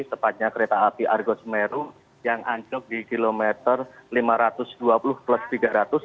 tepatnya kereta api argo semeru yang anjlok di kilometer lima ratus dua puluh plus tiga ratus